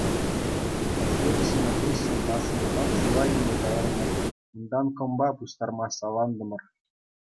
Шашлык ҫинӗ хыҫҫӑн машинӑпах шыва кӗме кайрӑмӑр, унтан кӑмпа пуҫтарма салантӑмӑр.